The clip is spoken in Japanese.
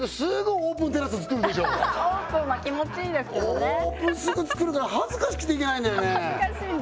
オープンすぐ作るから恥ずかしくて行けないんだよね恥ずかしいんだ